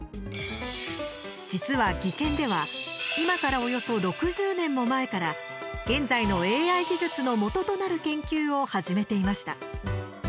実は、技研では今からおよそ６０年も前から現在のＡＩ技術の元となる研究を始めていました。